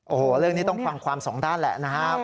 โอ้โหเรื่องนี้ต้องฟังความสองด้านแหละนะครับ